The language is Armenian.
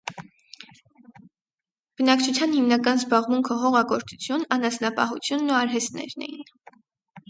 Բնակչության հիմնական զբաղմունքը հողագործություն, անասնապահությունն ու արհեստներն էին։